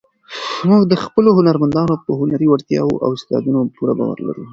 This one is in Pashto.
موږ د خپلو هنرمندانو په هنري وړتیاوو او استعدادونو پوره باور لرو.